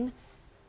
pbi dan pbi pbi